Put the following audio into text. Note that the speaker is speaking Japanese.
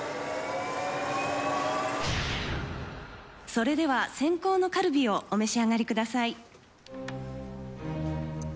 それでは先攻のカルビをお召し上がりください。